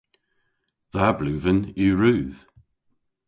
Dha bluven yw rudh.